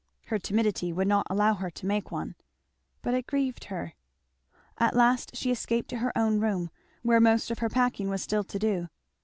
Her timidity would not allow her to make one. But it grieved her. At last she escaped to her own room, where most of her packing was still to do.